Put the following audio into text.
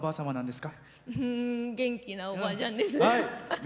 元気なおばあちゃんです。